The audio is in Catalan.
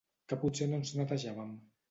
Que potser no ens netejàvem?